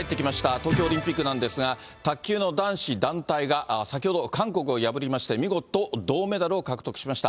東京オリンピックなんですが、卓球の男子団体が先ほど、韓国を破りまして、見事銅メダルを獲得しました。